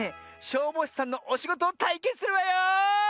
消防士さんのおしごとをたいけんするわよ！